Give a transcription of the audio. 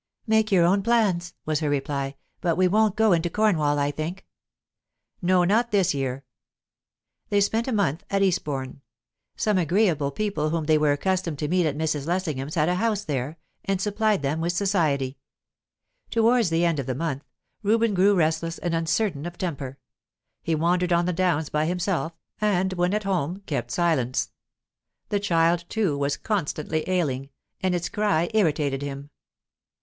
"Make your own plans," was her reply. "But we won't go into Cornwall, I think." "No, not this year." They spent a month at Eastbourne. Some agreeable people whom they were accustomed to meet at Mrs. Lessingham's had a house there, and supplied them with society. Towards the end of the month, Reuben grew restless and uncertain of temper; he wandered on the downs by himself, and when at home kept silence. The child, too, was constantly ailing, and its cry irritated him.